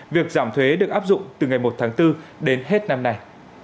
việc giảm thuế được áp dụng từ ngày một tháng bốn đến hết năm nay